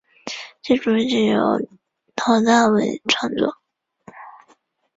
其主题曲则由陶大伟创作。